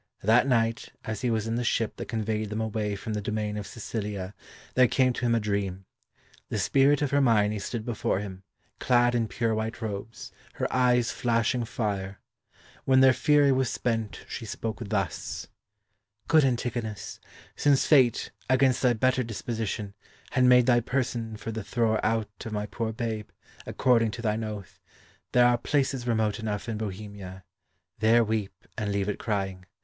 That night, as he was in the ship that conveyed them away from the domain of Sicilia, there came to him a dream. The spirit of Hermione stood before him, clad in pure white robes, her eyes flashing fire. When their fury was spent, she spoke thus: "Good Antigonus, since Fate, against thy better disposition, had made thy person for the thrower out of my poor babe, according to thine oath, there are places remote enough in Bohemia; there weep, and leave it crying.